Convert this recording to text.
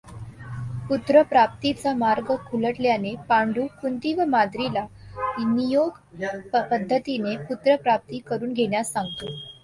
पुत्रप्राप्तीचा मार्ग खुंटल्याने पांडू कुंति व माद्रीला नियोग पद्धतीने पुत्रप्राप्ती करून घेण्यास सांगतो.